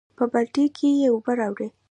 پۀ بالټي کښې ئې اوبۀ راوړې ـ